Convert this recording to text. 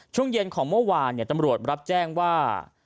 ช่วงเย็นของเมื่อวานตำรวจรับแจ้งว่า